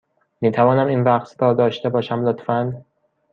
می توانم این رقص را داشته باشم، لطفا؟